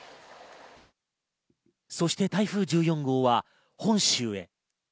そして台風１４号は本州へ。